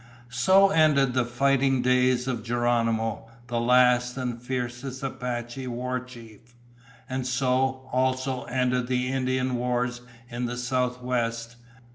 So ended the fighting days of Geronimo, the last and fiercest Apache war chief. And so, also, ended the Indian Wars in the Southwest.